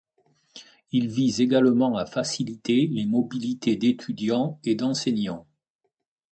Il vise également à faciliter les mobilités d’étudiants et d'enseignants.